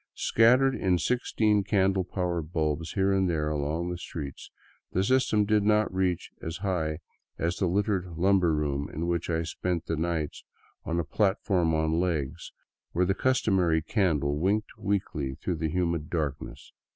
Scattered in sixteen candle power bulbs here and there along the streets, the system did not reach as high as the littered lumber room in which I spent the nights on a platform on legs, where the customary candle winked weakly through the humid darkness.